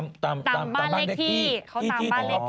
เขาตามบ้านเลขที่